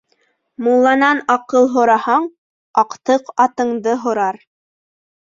Мулланан аҡыл һораһаң, аҡтыҡ атыңды һорар.